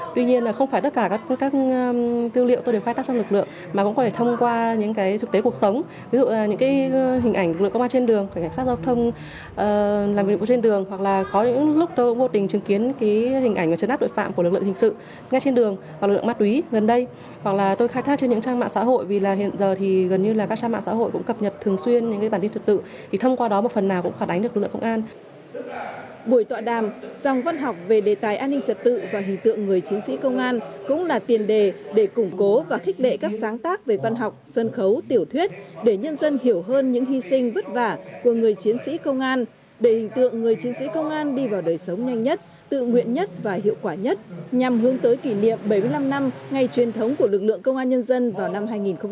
buổi tọa đàm dòng văn học về đề tài an ninh trật tự và hình tượng người chiến sĩ công an cũng là tiền đề để củng cố và khích đệ các sáng tác về văn học sân khấu tiểu thuyết để nhân dân hiểu hơn những hy sinh vất vả của người chiến sĩ công an để hình tượng người chiến sĩ công an đi vào đời sống nhanh nhất tự nguyện nhất và hiệu quả nhất nhằm hướng tới kỷ niệm bảy mươi năm năm ngày truyền thống của lực lượng công an nhân dân vào năm hai nghìn hai mươi